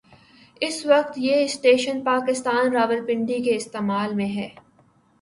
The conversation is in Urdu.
اس وقت یہ اسٹیشن پاکستان ریلویز کے استعمال میں ہے